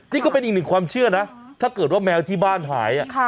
นี่ก็เป็นอีกหนึ่งความเชื่อนะถ้าเกิดว่าแมวที่บ้านหาย